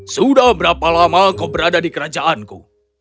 sudah berapa lama kau berada di kerajaanku